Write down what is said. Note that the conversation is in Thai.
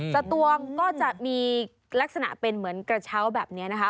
สตวงก็จะมีลักษณะเป็นเหมือนกระเช้าแบบนี้นะคะ